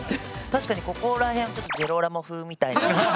確かにここらへんジローラモ風みたいな。